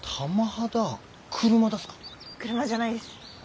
車じゃないです。